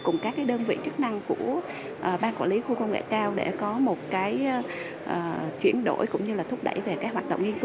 cùng các đơn vị chức năng của ban quản lý khu công nghệ cao để có một cái chuyển đổi cũng như là thúc đẩy về cái hoạt động nghiên cứu